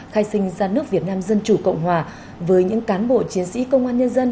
khai sinh ra nước việt nam dân chủ cộng hòa với những cán bộ chiến sĩ công an nhân dân